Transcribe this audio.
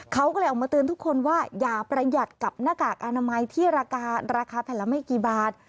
เขาก็เลยออกมาเตือนทุกคนว่าอย่าประหยัดกับหน้ากากอนามัยที่ราคาราคาแผ่นละไม่กี่บาท